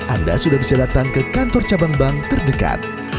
anda sudah bisa datang ke kantor cabang bank terdekat